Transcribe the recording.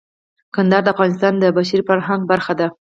کندهار د افغانستان د بشري فرهنګ برخه ده.